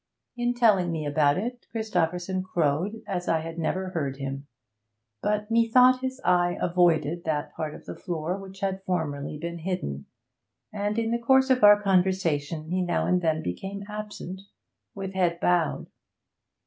In telling me about it, Christopherson crowed as I had never heard him; but methought his eye avoided that part of the floor which had formerly been hidden, and in the course of our conversation he now and then became absent, with head bowed.